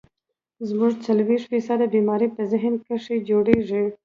زمونږ څلوېښت فيصده بيمارۍ پۀ ذهن کښې جوړيږي